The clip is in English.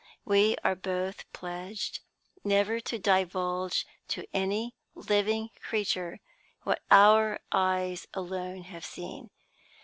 We are both pledged never to divulge to any living creature what our eyes alone have seen.